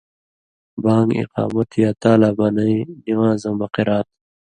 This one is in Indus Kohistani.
بان٘گ، اِقامت یا تالا بنَیں نِوان٘زؤں مہ قِرات،